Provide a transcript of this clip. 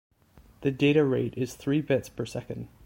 The data rate is three bits per second.